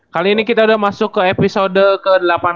kali ini kita udah masuk ke episode ke delapan puluh enam